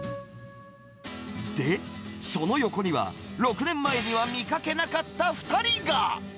で、その横には、６年前には見かけなかった２人が。